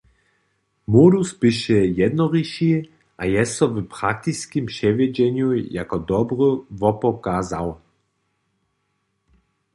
Modus běše jednoriši a je so w praktiskim přewjedźenju jako dobry wopokazał.